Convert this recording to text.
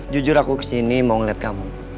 jujur aku kesini mau ngeliat kamu